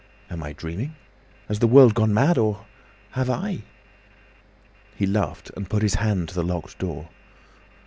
"Am I dreaming? Has the world gone mad—or have I?" He laughed, and put his hand to the locked door.